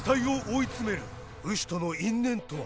ウシとの因縁とは。